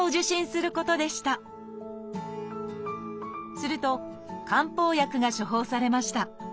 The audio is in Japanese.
すると漢方薬が処方されました。